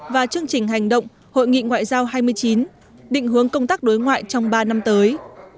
và chương trình hành động hội nghị ngoại giao hai mươi chín định hướng công tác đối ngoại trong ba năm tới